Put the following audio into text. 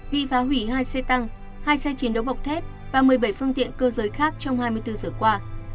bị phá hủy hai xe tăng hai xe chiến đấu bọc thép và một mươi bảy phương tiện cơ giới khác trong hai mươi bốn giờ qua